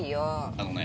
あのね